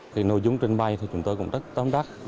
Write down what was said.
thì nội dung trên bay thì chúng tôi cũng rất tâm đắc